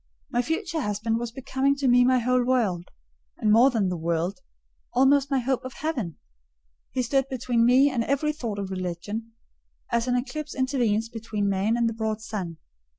My future husband was becoming to me my whole world; and more than the world: almost my hope of heaven. He stood between me and every thought of religion, as an eclipse intervenes between man and the broad sun.